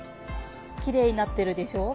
きれいになってるでしょう？